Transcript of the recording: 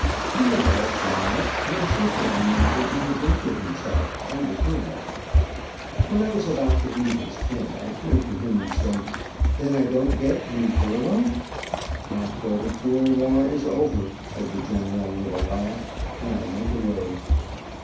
He was all smiles, and insisted on my taking a drink with himself and the colonel. When I was about leaving his tent, I turned to him and said: "Then I don't get any furlough?" "Not till the cruel war is over," said the general, with a laugh, and I went away.